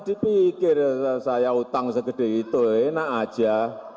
kita pikir saya utang segede itu enak aja